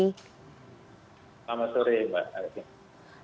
selamat sore mbak aisyah